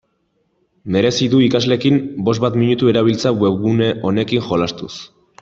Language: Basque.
Merezi du ikasleekin bost bat minutu erabiltzea webgune honekin jolastuz.